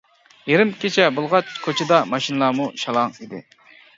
يېرىم كېچە بولغاچ، كوچىدا ماشىنىلارمۇ شالاڭ ئىدى.